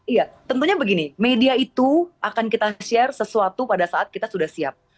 iya tentunya begini media itu akan kita share sesuatu pada saat kita sudah siap